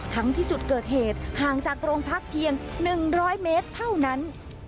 ทั้งที่จุดเกิดเหตุห่างจากโรงพักเพียง๑๐๐เมตรเท่านั้น